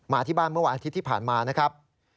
ที่บ้านเมื่อวันอาทิตย์ที่ผ่านมานะครับ